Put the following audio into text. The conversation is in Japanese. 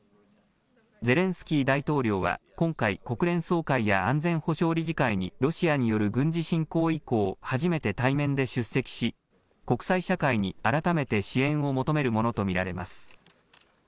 ゼレンスキー大統領は今回、国連総会や安全保障理事会にロシアによる軍事侵攻以降、初めて対面で出席し国際社会に改めて支援を求めるものと見られます。